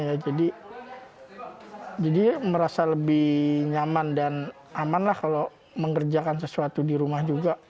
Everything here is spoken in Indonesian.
alvin merasa lebih nyaman dan aman kalau mengerjakan sesuatu di rumah juga